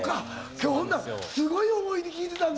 今日ほんならすごい思いで聴いてたんだ。